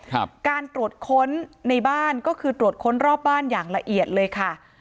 การตรวจค้นในบ้านก็คือตรวจค้นรอบบ้านอย่างละเอียดเลยค่ะ